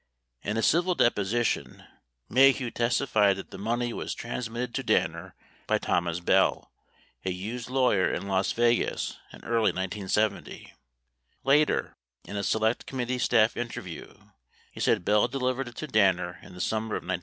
58 In a civil deposition, Maheu testified that the money was trans mitted to Danner by Thomas Bell, a Hughes lawyer in Las Vegas in early 1970. 59 Later, in a Select Committee staff interview, he said Bell delivered it to Danner in the summer of 1970.